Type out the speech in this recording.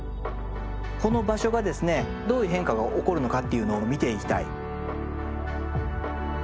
この場所がですねどういう変化が起こるのかっていうのを見ていきたい。